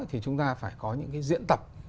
thì chúng ta phải có những cái diễn tập